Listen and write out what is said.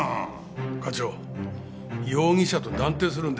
課長容疑者と断定するんですか？